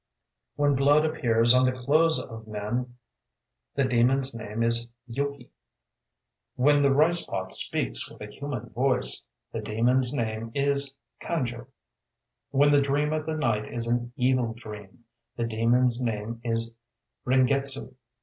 "When blood appears on the clothes of men, the demon's name is Y≈´ki. "When the rice pot speaks with a human voice, the demon's name is Kanjo. "When the dream of the night is an evil dream, the demon's name is Ringetsu...."